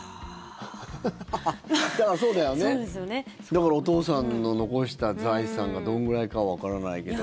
だからお父さんの残した財産がどのぐらいかはわからないけど。